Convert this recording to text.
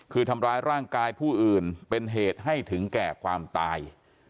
คือทำร้ายร่างกายผู้อื่นเป็นเหตุให้ถึงแก่ความตาย